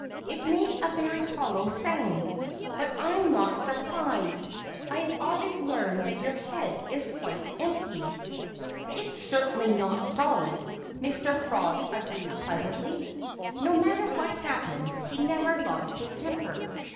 "It made a very hollow sound. But I am not surprised. I have already learned that your head is quite empty." "It's certainly not solid," Mr. Frog agreed pleasantly. No matter what happened, he never lost his temper.